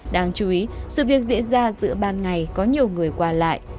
đáng chú ý sự việc diễn ra giữa ban ngày có nhiều người qua lại